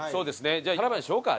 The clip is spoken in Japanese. じゃあタラバにしようか。